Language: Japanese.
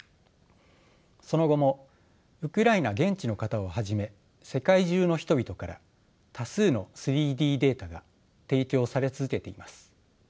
その後もウクライナ現地の方をはじめ世界中の人々から多数の３Ｄデータが提供され続けています。